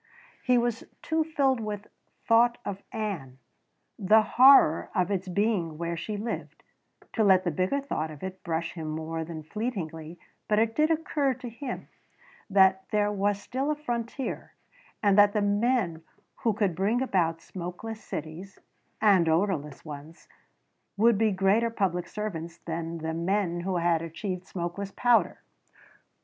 He was too filled with thought of Ann the horror of its being where she lived to let the bigger thought of it brush him more than fleetingly, but it did occur to him that there was still a frontier and that the men who could bring about smokeless cities and odorless ones would be greater public servants than the men who had achieved smokeless powder.